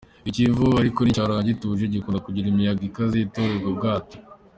I Kivu ariko nticyahoraga gituje, gikunda kugira imiyaga ikaze itorohera ubwato.